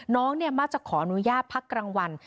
น้องมาจะขออนุญาตภักด์กรรมวัล